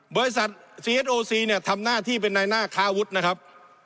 บริษัทซีเอสโอซีเนี่ยทำหน้าที่เป็นนายหน้าค้าอาวุธนะครับ